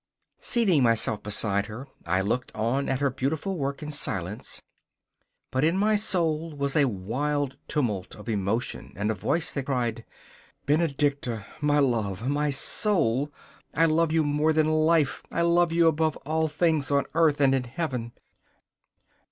Seating myself beside her, I looked on at her beautiful work in silence, but in my soul was a wild tumult of emotion and a voice that cried: 'Benedicta, my love, my soul, I love you more than life! I love you above all things on earth and in Heaven!